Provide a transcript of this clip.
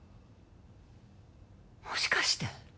もしかして！？